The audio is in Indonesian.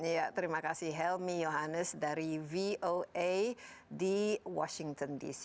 ya terima kasih helmy yohannes dari voa di washington dc